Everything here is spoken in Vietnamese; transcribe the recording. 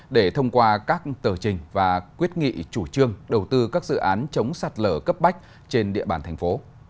để thông qua các tờ trình và quyết nghị chủ trương đầu tư các dự án chống sạt lở cấp bách trên địa bàn thành phố